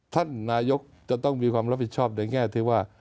ท่านนายกจะต้องมีความรับผิดชอบในแง่ที่ว่า